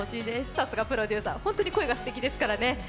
さすがプロデューサー、本当に声がすてきですからね。